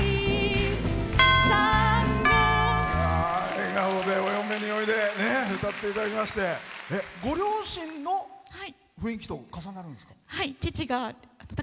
笑顔で「お嫁においで」歌っていただきましてご両親の雰囲気と重なるんですか？